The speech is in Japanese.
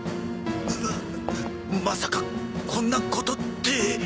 まさかこんなことって。